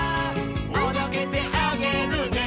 「おどけてあげるね」